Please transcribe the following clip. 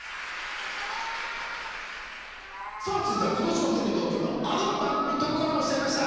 さぁ続いては今年もテレビ東京のあの番組とコラボしちゃいました。